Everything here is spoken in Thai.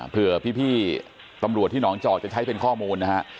เพื่อพี่ตำรวจที่หนองจอกจะใช้เป็นข้อมูลนะฮะ